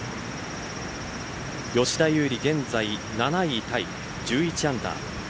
吉田優利、現在７位タイ１１アンダー。